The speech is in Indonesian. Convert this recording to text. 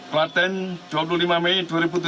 klaten dua puluh lima mei dua ribu tujuh belas